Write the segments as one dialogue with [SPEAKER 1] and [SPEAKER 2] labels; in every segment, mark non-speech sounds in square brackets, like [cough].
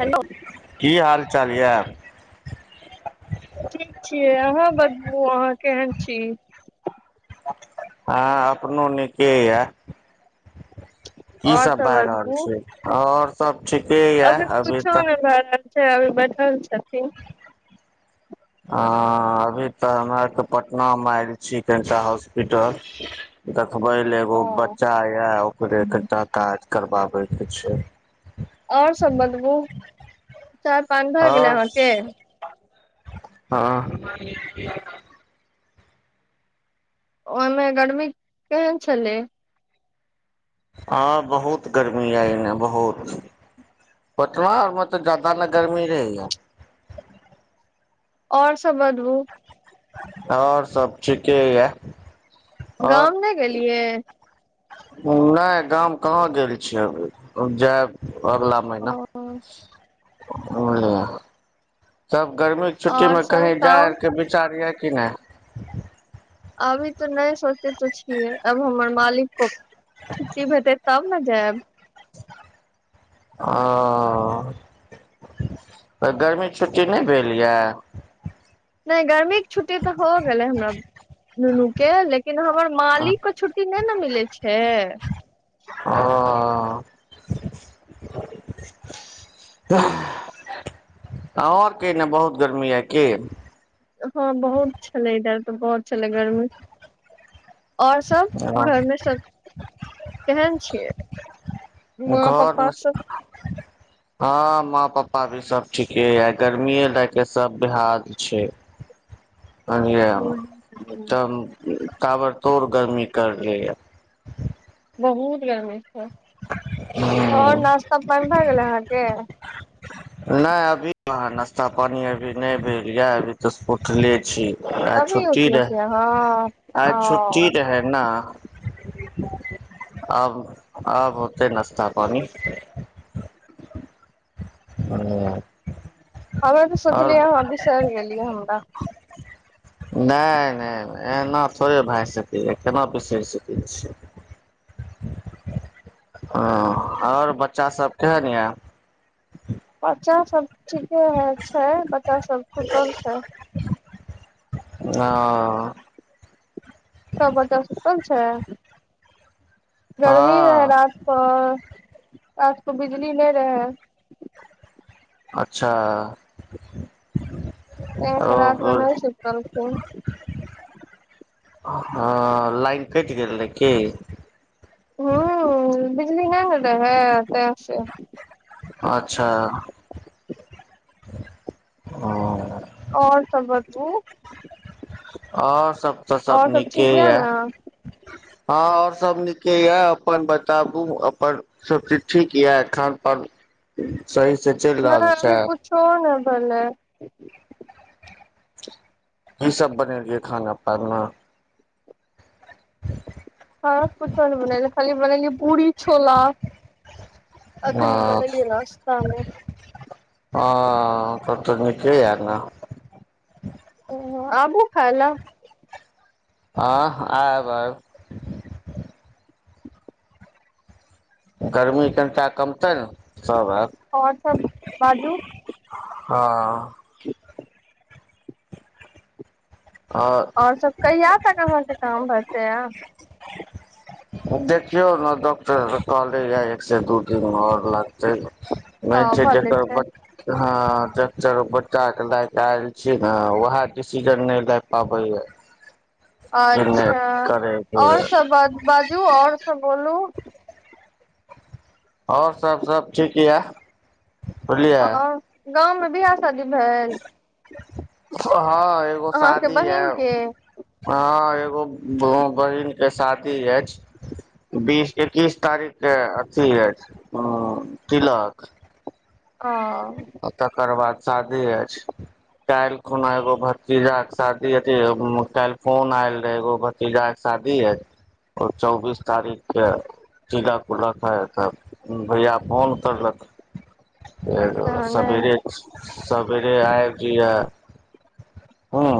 [SPEAKER 1] Hello
[SPEAKER 2] की हाल चाल यऽ
[SPEAKER 1] ठीक छियै अहाँ बतबू अहाँ केहन छी
[SPEAKER 2] हाँ अपनो निके ये की
[SPEAKER 1] और
[SPEAKER 2] सब भए रहल
[SPEAKER 1] बतबू
[SPEAKER 2] छै और सब ठीके याऽ अभी तक
[SPEAKER 1] छैया बैठल छथिन
[SPEAKER 2] ह अभी तऽ हमरा आर के पटना मे आयल छी कनिका हॉस्पिटल फगुआल लय
[SPEAKER 1] ओ
[SPEAKER 2] एगो बच्चा आया ओकरे कनिटा काज करबाबै के छैय
[SPEAKER 1] और सभ बतबू चाय पान भए गेलै अहाँके
[SPEAKER 2] हाँ
[SPEAKER 1] ओइमे गर्मी केहन छलै
[SPEAKER 2] हाँ बहुत गर्मी आइ अने बहुत पटना आरमे तऽ जादा न गर्मी रहैया
[SPEAKER 1] और सब बदबू
[SPEAKER 2] और सभ ठीके यए
[SPEAKER 1] गाँव नहि गेलियै
[SPEAKER 2] नहि गाम कहाँ गेल छियै अभी जायब अगला महिना
[SPEAKER 1] ओ
[SPEAKER 2] बुझलिय तब [inaudible] गरमीके
[SPEAKER 1] और
[SPEAKER 2] छुट्टीमे
[SPEAKER 1] सब
[SPEAKER 2] कहीँ जाइ
[SPEAKER 1] काम
[SPEAKER 2] आरके विचार यऽ कि नहि
[SPEAKER 1] अभी तऽ नहि सोचेत छियै अब हमर मालिक को छुट्टी भेटै तब तब न जैब
[SPEAKER 2] ओ तऽ गर्मीक छुट्टी नहि भेल यए
[SPEAKER 1] नहि गर्मीके छुट्टी तऽ हो गेलै हमरा नुनू केँ लेकिन किन हमर मालिक
[SPEAKER 2] ओ
[SPEAKER 1] के छुट्टी नहि ने मिलै छै
[SPEAKER 2] ओ तऽ अहों आर के एने बहुत गर्मी यै की
[SPEAKER 1] हँ बहुत छलै इधर तऽ बहुत छलै गर्मी और सब घरमे सब केहन छियै माँ पप्पा
[SPEAKER 2] घरमे
[SPEAKER 1] सब
[SPEAKER 2] हँ मा पप् ा भी सब ठीके या गर्मीए लए के सब बेहाल छै लियए तब ताबड़तोड़ गरमी करले यै
[SPEAKER 1] बहुत गर्मी छै और
[SPEAKER 2] हूं
[SPEAKER 1] नाश्ता पानि भ गेले अहाँके के
[SPEAKER 2] ना अभी कहाँ नास्ता पानी अभी नै भेल ये अभी तऽ सुतले छी आई
[SPEAKER 1] अभी
[SPEAKER 2] छुट्टी
[SPEAKER 1] उठले छियै
[SPEAKER 2] रहै
[SPEAKER 1] अहाँ
[SPEAKER 2] आई छुट्टी
[SPEAKER 1] ओ
[SPEAKER 2] रहै न
[SPEAKER 1] [inaudible]
[SPEAKER 2] आब आब होतै नाश्ता पानी हूँ
[SPEAKER 1] हमे तऽ सोचलियै अहाँ बिसैर गेलियै हमरा
[SPEAKER 2] नहि नहि नहि एना थोड़े भए सकैए केना बिसरि सकै छी [inaudible] हँ और बच्चा सभ केहन यए
[SPEAKER 1] बच्चा सब ठीके है छै बच्चा सब सुतल छै
[SPEAKER 2] हँ
[SPEAKER 1] सब बच्चा सुतल छै गर्मी रहै रात कऽ आज तो बिजली नहि रहै
[SPEAKER 2] अच्छा
[SPEAKER 1] अहिसे रातमे
[SPEAKER 2] ओ
[SPEAKER 1] नहि सुतलखिन
[SPEAKER 2] हँ लाइन कटि गेल रहै की
[SPEAKER 1] ह बिजली नहि ने रहे तै से
[SPEAKER 2] अच्छा ह
[SPEAKER 1] और सब बतबु
[SPEAKER 2] और सभ तऽ सभ नीके
[SPEAKER 1] ठीक यऽ
[SPEAKER 2] यए
[SPEAKER 1] ने
[SPEAKER 2] हँ और सब नीके ये अपन बताबु अपन सब चीज ठीक ये खान पान सहीसँ चलि रहल छै
[SPEAKER 1] भलै
[SPEAKER 2] की सब बनेलियै खाना पाना
[SPEAKER 1] हँ कुछो नहि बनेलियै खाली बनेलियै पुरी छोला एखन ई
[SPEAKER 2] ह
[SPEAKER 1] बनेलियै नास्तामे
[SPEAKER 2] हँ तब तऽ नीके यऽ ने
[SPEAKER 1] ह आबू खाय ला
[SPEAKER 2] हँ आयब आयब गर्मी कनिटा कमतै न
[SPEAKER 1] आ और सब बाजू
[SPEAKER 2] हँ
[SPEAKER 1] आ और सब कहिया तक अहाँके काम भरते आ
[SPEAKER 2] देखियौ ने डॉक्टर कहले एक से दू दिन आ और लगतै
[SPEAKER 1] आ
[SPEAKER 2] मेन छै ज
[SPEAKER 1] भले
[SPEAKER 2] ह ज बच्चा के लायक [unintelligible] लेल छी ने उएह के डिसीजन नहि लए पाबैए
[SPEAKER 1] अच्छा आ और
[SPEAKER 2] यऽ।
[SPEAKER 1] सभ ब बाजू आ और सभ बोलू
[SPEAKER 2] आ और सब सब ठीक य य बुझलिय
[SPEAKER 1] और गाँव में बिवाह शादी भेल
[SPEAKER 2] हँ एगो
[SPEAKER 1] अहाँके
[SPEAKER 2] शादी एय
[SPEAKER 1] बहिन के
[SPEAKER 2] हँ एगो बहिन के शादी अछि बिस ऐकैश तारीख के अथी अछि तिलक
[SPEAKER 1] ह [unintelligible]
[SPEAKER 2] सादे अछि काल्हि खुना एगो भतीजा के शादी अथ काल्हि फोन आयल रहे एगो भतीजा के शादी शादी है चौंबीस तारीख के चिलक उलक है तऽ भैया फोन करलक
[SPEAKER 1] तहन
[SPEAKER 2] सवेरे सवेरे आबि जाइए हँ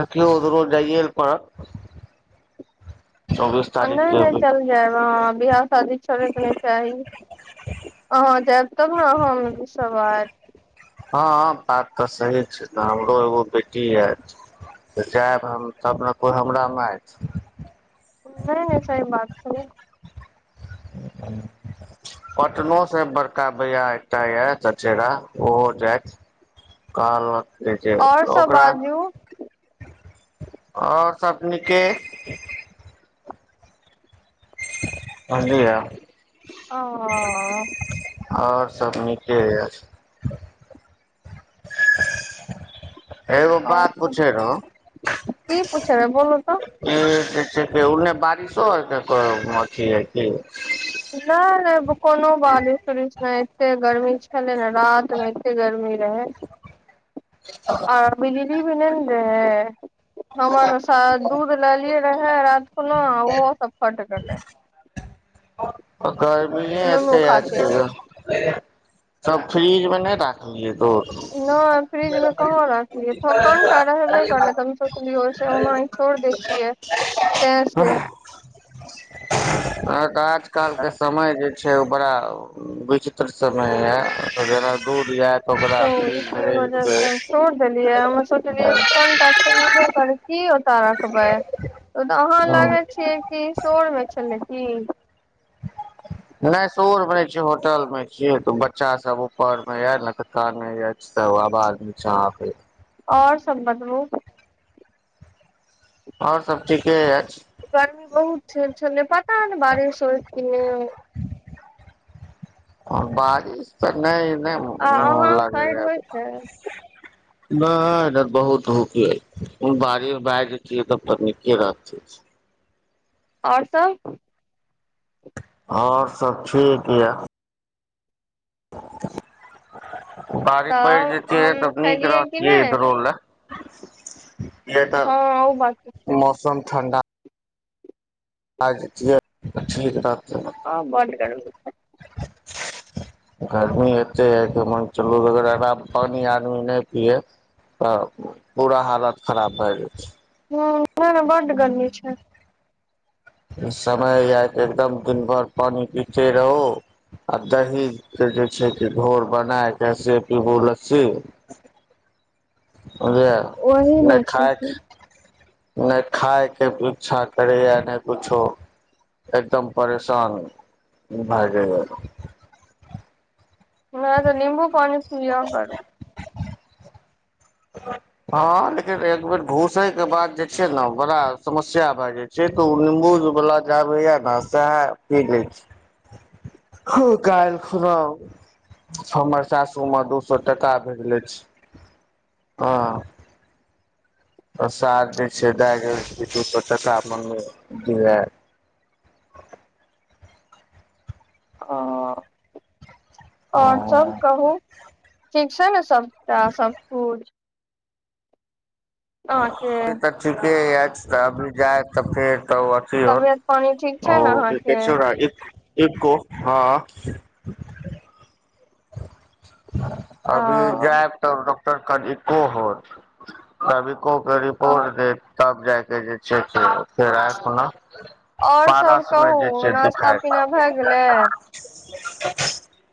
[SPEAKER 2] देखियौ रोज जाइए पर
[SPEAKER 1] नहि नहि चल जाय अहा बिहाह शादी छोडबाक नहि चाही अहाँ जायब तब नै हम सब आव
[SPEAKER 2] हँ बात तऽ सही छै ने हमरो एगो बेटी एय तऽ जायब हम तब ने कोइ हमरा में एत
[SPEAKER 1] नहि नै सही बात छै
[SPEAKER 2] ह पटनो सँ बड़का भैया एकटा यऽ चचेरा ओहो जायइत कहलत कह छै
[SPEAKER 1] आओर सब
[SPEAKER 2] ओकरा आ
[SPEAKER 1] बाजू
[SPEAKER 2] और सब निके बुझलियै
[SPEAKER 1] हँ हँ हंँ
[SPEAKER 2] आ और सभ नीके एछ एगो बात
[SPEAKER 1] सब
[SPEAKER 2] पूछे रहौ
[SPEAKER 1] की पुछबै बोलू तऽ
[SPEAKER 2] ई जे छै उने बारिशो अथ है कि
[SPEAKER 1] नहि नहि कोनो बारिश उरिश नहि एतेक गर्मी छलै ने रात मे एतेक गर्मी रहै आ बिजली भी नहि रहै हमर सब दूध लेलियै रहे राति में ओहो सब फट लै
[SPEAKER 2] गर्मी नहि एते ह आज
[SPEAKER 1] खातिर
[SPEAKER 2] कल त सब फ्रिज मे ने राखलिय
[SPEAKER 1] नहि फ्रिज मे कहाँ रखलियै कटा रहबे करलै त हम सोचलियना छोड़ दै छियै तै से
[SPEAKER 2] आऽ आजकल के समय जे बड़ा विचित्र सब य दूर य
[SPEAKER 1] त इसकी वजह से छोड़ देलियै हममे सोचलियै कोन्टा जैसे करी रखबै ओ तऽ अहाँ
[SPEAKER 2] हँ
[SPEAKER 1] लागे छियै कि शोर मचैले छिए ह्म
[SPEAKER 2] ने सोर मे छीे होटल में छीये तऽ बच्चा सब ऊपर में य ने तऽ कनैय एय आवाज निचा आबेत
[SPEAKER 1] आ और सब बतबु
[SPEAKER 2] और सब ठीके अयछ
[SPEAKER 1] सुन पता ने बारीस होईत की नय
[SPEAKER 2] आ बारिश त नय नय
[SPEAKER 1] आ
[SPEAKER 2] भ
[SPEAKER 1] अहाँ साइड
[SPEAKER 2] लाखईया
[SPEAKER 1] होइ छै
[SPEAKER 2] न ईधर बहुत धूप ऐ बाड़े बायज जेतियै तब तऽ नीके रहत
[SPEAKER 1] और सब
[SPEAKER 2] और सब ठीक यए बारिष पड़
[SPEAKER 1] तब
[SPEAKER 2] जेतीय
[SPEAKER 1] आम
[SPEAKER 2] तब नीक
[SPEAKER 1] खेलियै कि
[SPEAKER 2] रहतियै
[SPEAKER 1] नहि
[SPEAKER 2] इधरो लए बेटा
[SPEAKER 1] हँ ओ बात तऽ छै
[SPEAKER 2] मौसम ठण्डा आ जेतियै त ठिक रहतियै
[SPEAKER 1] ह बात कर [inaudible]
[SPEAKER 2] [inaudible] गर्मी एते यै कि मन चलू अग आराम पानी आदमी नय पिय तऽ पूरा हालत खराब भए जाइ छै
[SPEAKER 1] ह ऊहै न बड गरमी छै
[SPEAKER 2] ई समय य एकदम दिन भर पानि पीते रहू आ दही छै घोर बना कै से पीबू लस्सी बुझझियै
[SPEAKER 1] ओही न
[SPEAKER 2] नय खाय के
[SPEAKER 1] छथिन।
[SPEAKER 2] नय खाय के पूछा करै य नय कुछो एकदम परेशान भए गेलए
[SPEAKER 1] नय तऽ निंबू पानि पिअ करू
[SPEAKER 2] हँ लेकिन एक बेर घूसै के बाद जे छै न बड़ा समस्या भए जाइ छै तऽ ओ निबू उज बलाबै जाय भय न सएह पी लै छी हो काल खनाउ हमर सासू म दू स टाका भेजलै छै हँ प्रसाद जे छै दए गे दू स टाका मगवय दीहै [inaudible]
[SPEAKER 1] आ और सब
[SPEAKER 2] अभी
[SPEAKER 1] कहू ठीक छै ने सब तऽ सब पुज अहाँके
[SPEAKER 2] अ तऽ ठीके अएछ तऽ अब जाय तऽ फेर तब अथी होयत
[SPEAKER 1] तबियत पानी ठीक
[SPEAKER 2] अ
[SPEAKER 1] छै ने
[SPEAKER 2] की कहय
[SPEAKER 1] अहाँके
[SPEAKER 2] छै ओकरा एको हँ अभी
[SPEAKER 1] आ
[SPEAKER 2] जायब तऽ डॉक्टर कन इको होत तभी कौ ग रिपोर्ट देत तब जाके जे छै फेर आयत अपना
[SPEAKER 1] और सब
[SPEAKER 2] पारस मे
[SPEAKER 1] कहू
[SPEAKER 2] जे छै
[SPEAKER 1] नास्ता
[SPEAKER 2] दिखाइत
[SPEAKER 1] पीना भए गेलै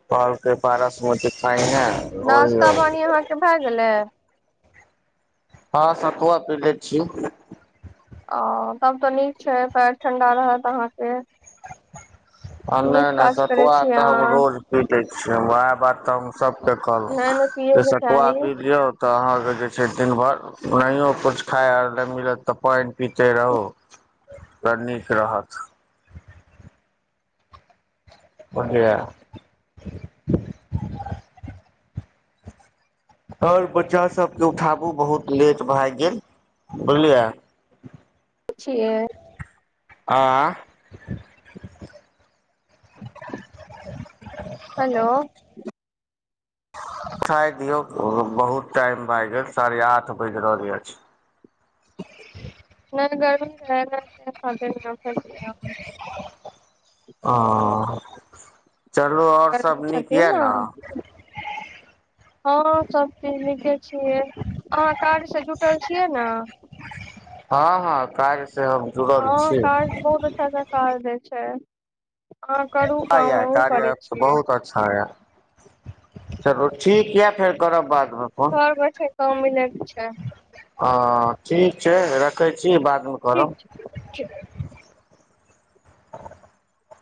[SPEAKER 2] कहल के पारस पै
[SPEAKER 1] नाश्ता पानी अहाँ के भए गेलै
[SPEAKER 2] हँ सतुआ पिले छी
[SPEAKER 1] ओ तब तऽ नीक छै पैर ठंडा रहत अहाँ के
[SPEAKER 2] नय नय
[SPEAKER 1] करै
[SPEAKER 2] सतुआ
[SPEAKER 1] छी
[SPEAKER 2] तऽ हम
[SPEAKER 1] अहाँ
[SPEAKER 2] रोज पीलै छि वएह बात तऽ हम सबके
[SPEAKER 1] नै
[SPEAKER 2] कहलऊ
[SPEAKER 1] नै पियै
[SPEAKER 2] जे
[SPEAKER 1] के
[SPEAKER 2] सतुआ
[SPEAKER 1] चाही
[SPEAKER 2] पी लिऔ तऽ अहाँके जे छै दिन भरि नहियो कुछ खाय आर नय मिलत तऽ पाईन पीते रहू त नीक रहत बुझलिय और बच्चा सबके उठाबू बहुत लेट भैए गेल बुझलियै
[SPEAKER 1] छि ए
[SPEAKER 2] आँ
[SPEAKER 1] हेलो
[SPEAKER 2] खाय दियौ बहुत टाइम भैए गेल साढ़े आठ बाजि रहल अछि [inaudible]
[SPEAKER 1] नहि गरमी रहै राते कतेने
[SPEAKER 2] ओ चलू और सब
[SPEAKER 1] गरमी
[SPEAKER 2] नीक
[SPEAKER 1] छथिन
[SPEAKER 2] यऽ
[SPEAKER 1] न
[SPEAKER 2] ने
[SPEAKER 1] हँ सब तिनके छियै अहाँ कार्यसँ जुटल छियै न
[SPEAKER 2] हँ हँ कार्य से हम जुड़ल
[SPEAKER 1] हँ
[SPEAKER 2] छी
[SPEAKER 1] कार्य बहुत अच्छा अच्छा कार्य दै छै अहाँ करू
[SPEAKER 2] ह
[SPEAKER 1] काम
[SPEAKER 2] यै
[SPEAKER 1] हमहुँ
[SPEAKER 2] कार्य
[SPEAKER 1] करै
[SPEAKER 2] ऐप स
[SPEAKER 1] छियै
[SPEAKER 2] बहुत अच्छा य चलु ठीक य फेर करब बात
[SPEAKER 1] घर बैठल काम मिलैत छै
[SPEAKER 2] हँ ठीक छै रखै छी बाद मे
[SPEAKER 1] ठीक
[SPEAKER 2] करब
[SPEAKER 1] छै